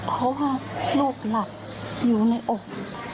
เพราะว่าลูกหลับอยู่ในอก